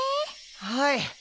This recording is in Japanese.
はい。